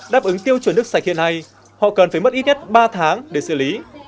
đáp ứng tiêu chuẩn nước sạch hiện nay họ cần phải mất ít nhất ba tháng để xử lý